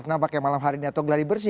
nah pakai malam hari ini atau geladi bersih